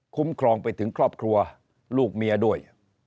ครองไปถึงครอบครัวลูกเมียด้วย